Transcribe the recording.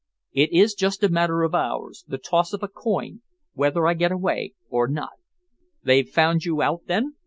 It is just a matter of hours, the toss of a coin, whether I get away or not." "They've found you out, then?"